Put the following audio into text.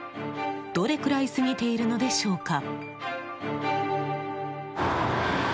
どれくらい過ぎているのでしょうか？